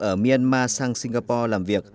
ở myanmar sang singapore làm việc